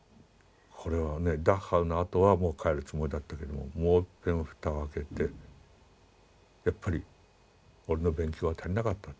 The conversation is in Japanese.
これはねダッハウのあとはもう帰るつもりだったけどももういっぺん蓋を開けてやっぱり俺の勉強は足りなかった。